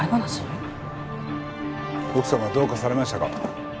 奥様どうかされましたか？